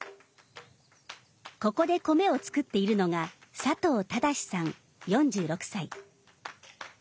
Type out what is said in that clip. ここで米を作っているのが佐藤貞さん４６歳。